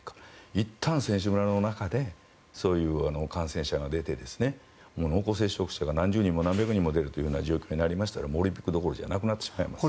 いったん選手村の中でそういう感染者が出て濃厚接触者が何十人も何百人も出る状況になりましたらもうオリンピックどころじゃなくなってしまいます。